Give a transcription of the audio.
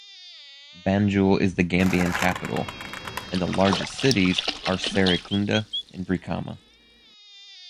Banjul is the Gambian capital, and the largest cities are Serekunda and Brikama.